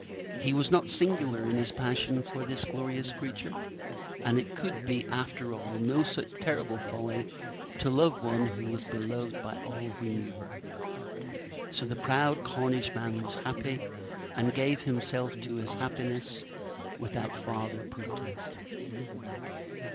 He was not singular in his passion for this glorious creature, and it could be, after all, no such terrible folly to love one who was beloved by all who knew her. So the proud Cornishman was happy, and gave himself up to his happiness without farther protest.